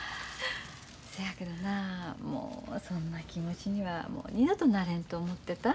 せやけどなもうそんな気持ちにはもう二度となれんと思ってた。